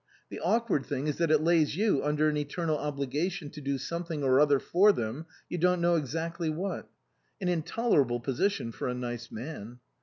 The awkward thing is that it lays you under an eternal obligation to do something or other for them, you don't know exactly what ; an intolerable position for a nice man.